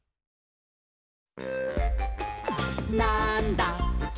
「なんだっけ？！